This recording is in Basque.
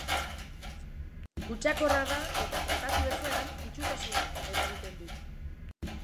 Kutsakorra da, eta tratatu ezean itsutasuna eragiten du.